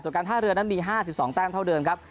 ส่วนการท่าเรือนั้นมี๕๒แต้มเท่าเดิมครับ